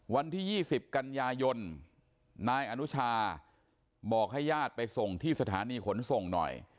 วันที่๒๐กันยายนนายอนุชาบอกให้ญาติไปส่งที่สถานีขนส่งหน่อย